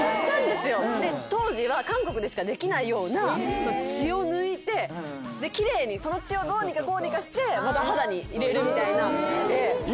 当時は韓国でしかできないような血を抜いて奇麗にその血をどうにかこうにかしてまた肌に入れるみたいな。